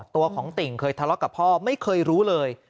ตัวของติ่งเคยทะเลาะกับพ่อไม่เคยรู้เลย